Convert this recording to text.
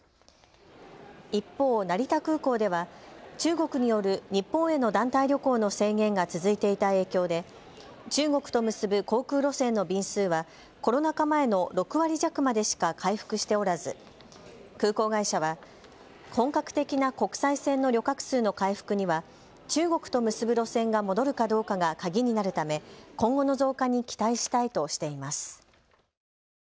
一方、成田空港では中国による日本への団体旅行の制限が続いていた影響で中国と結ぶ航空路線の便数はコロナ禍前の６割弱までしか回復しておらず空港会社は本格的な国際線の旅客数の回復には中国と結ぶ路線が戻るかどうかが鍵になるため今後の増加に期待したいとしています。